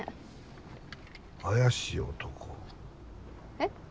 えっ？